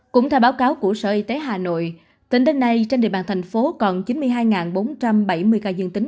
cũng theo báo cáo của sở y tế hà nội tính đến nay trên địa bàn thành phố còn chín mươi hai bốn trăm bảy mươi ca dương tính